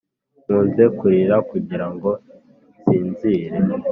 nkunze kurira kugira ngo nsinzire;